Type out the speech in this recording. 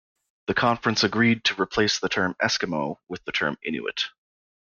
The Conference agreed to replace the term Eskimo with the term Inuit.